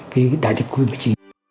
cái đại dịch covid một mươi chín